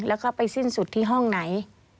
แล้วก็ไปสิ้นสุดที่ห้องไหน